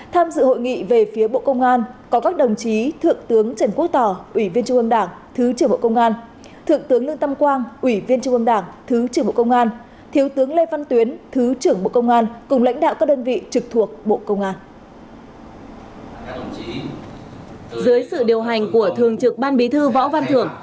tham dự hội nghị về phía bộ công an có các đồng chí thượng tướng trần quốc tỏ ủy viên trung ương đảng thứ trưởng bộ công an thượng tướng lương tâm quang ủy viên trung ương đảng thứ trưởng bộ công an thiếu tướng lê văn tuyến thứ trưởng bộ công an cùng lãnh đạo các đơn vị trực thuộc bộ công an